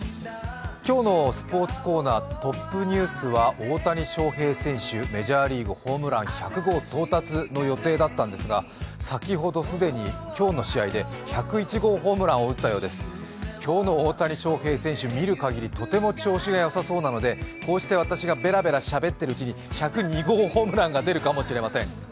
今日のスポーツコーナー、トップニュースは大谷翔平選手、メジャーリーグ・ホームラン１００号到達の予定だったんですが、先ほど既に今日の試合で１０１号ホームランを打ったようです今日の大谷翔平選手、見る限り、とても調子がよさそうなので、こうした私がベラベラしゃべっているうちに１０２号ホームランが出るかもしれません。